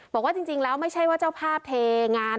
บอกว่าจริงแล้วไม่ใช่ว่าเจ้าภาพเทงาน